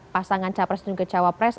pasangan capres dan juga cawapres